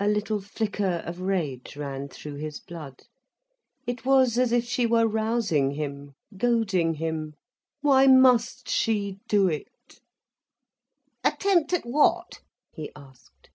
A little flicker of rage ran through his blood. It was as if she were rousing him, goading him. Why must she do it? "Attempt at what?" he asked.